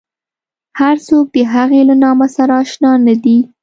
هر څوک د هغې له نامه سره اشنا نه دي.